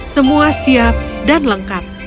semua siap dan lengkap